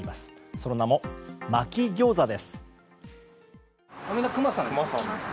その名も、まき餃子です。